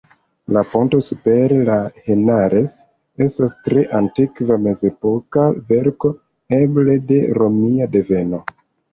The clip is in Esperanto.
La ponto super la Henares estas tre antikva, mezepoka verko, eble de romia deveno.